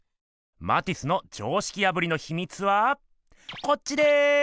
マティスの常識破りのひみつはこっちです。